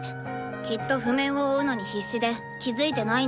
きっと譜面を追うのに必死で気付いてないんだと思う。